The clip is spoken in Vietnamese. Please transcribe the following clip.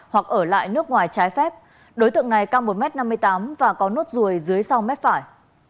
hoặc ở lại nước ngoài trái phép đối tượng này cao một m năm mươi tám và có nốt ruồi dưới sau mép phải